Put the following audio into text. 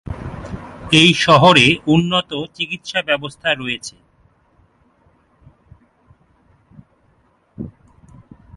এই শহরে উন্নত চিকিৎসা ব্যবস্থা রয়েছে।